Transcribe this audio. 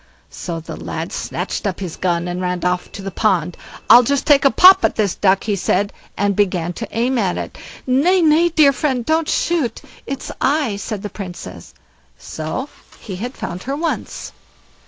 So the lad snatched up his gun and ran off to the pond. "I'll just take a pop at this duck", he said, and began to aim at it. "Nay, nay, dear friend, don't shoot. It's I", said the Princess. So he had found her once.